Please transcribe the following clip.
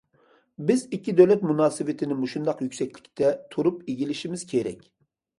بىز ئىككى دۆلەت مۇناسىۋىتىنى مۇشۇنداق يۈكسەكلىكتە تۇرۇپ ئىگىلىشىمىز كېرەك.